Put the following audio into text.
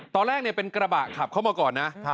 ตอนแรกเป็นกระบะขับเข้ามาก่อนนะ